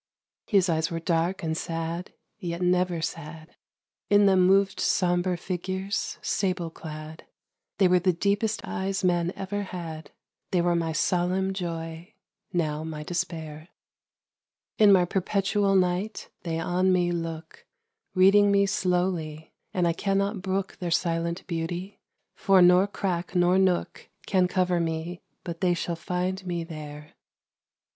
_ His eyes were dark and sad, yet never sad; In them moved sombre figures sable clad; They were the deepest eyes man ever had, They were my solemn joy now my despair. In my perpetual night they on me look, Reading me slowly; and I cannot brook Their silent beauty, for nor crack nor nook Can cover me but they shall find me there.